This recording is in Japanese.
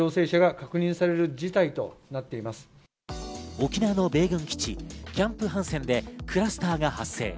沖縄の米軍基地、キャンプ・ハンセンでクラスターが発生。